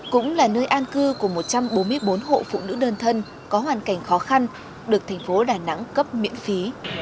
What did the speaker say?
cũng là nơi an cư của một trăm bốn mươi bốn hộ phụ nữ đơn thân có hoàn cảnh khó khăn được thành phố đà nẵng cấp miễn phí